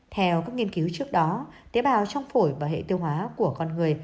theo các nghiên cứu trước đó tế bào trong phổi và hệ tiêu hóa của con người